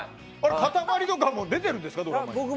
かたまりとかも出てるんですか。